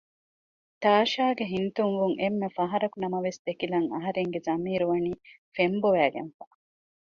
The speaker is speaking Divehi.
ތާޝާގެ ހިނިތުންވުން އެންމެ ފަހަރަކު ނަމަވެސް ދެކިލަން އަހަރެގެ ޒަމީރު ވަނީ ފެންބޮވައިގެންފަ